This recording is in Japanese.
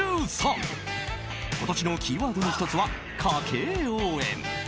今年のキーワードの１つは家計応援。